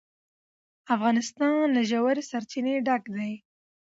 افغانستان له ژورې سرچینې ډک دی.